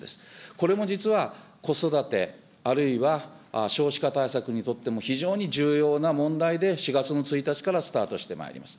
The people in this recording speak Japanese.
これも実は子育て、あるいは少子化対策にとっても非常に重要な問題で、４月の１日からスタートしてまいります。